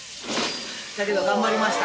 だけど頑張りました